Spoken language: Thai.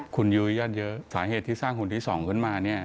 คุณยุ้ยญาติเยอะสาเหตุที่สร้างหุ่นที่๒ขึ้นมาเนี่ย